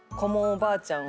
おばあちゃん